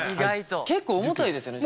結構重たいですよね。